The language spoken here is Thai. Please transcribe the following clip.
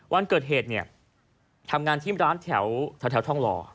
วันเกิดเหตุเนี่ยทำงานที่ร้านแถวทองหล่อ